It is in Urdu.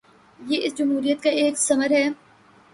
یہ اس جمہوریت کا ایک ثمر ہے۔